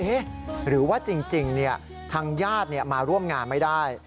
หรือว่าจริงทางญาติมาร่วมงานไม่ได้